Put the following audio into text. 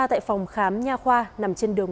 tại phòng khám nha khoa nằm trên đường